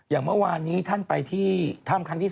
อย่างเมื่อวานนี้ท่านไปที่ถ้ำครั้งที่๓